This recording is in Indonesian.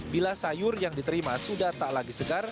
bila sayur yang diterima sudah tak lagi segar